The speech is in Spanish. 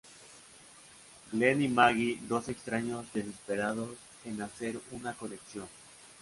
Glenn y Maggie, dos extraños desesperados en hacer una conexión.